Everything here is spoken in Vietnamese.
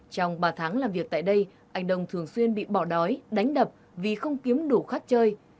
trong ba tháng làm việc tại đây anh đông thường xuyên bị bỏ đói đánh đập vì không kiếm đủ khát chơi